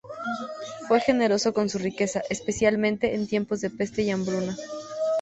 Fue generoso con su riqueza, especialmente en tiempos de peste y hambruna.